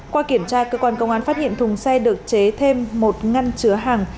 qua kiểm tra cơ quan công an phát hiện thùng xe được chế thêm một ngăn chứa hàng